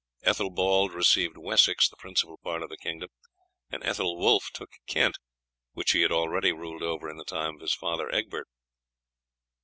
"Ethelbald received Wessex, the principal part of the kingdom, and Ethelwulf took Kent, which he had already ruled over in the time of his father Egbert.